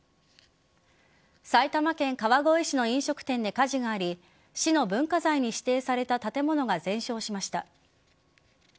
埼玉県川越市の飲食店で火事があり市の文化財に指定された建物が全焼しました。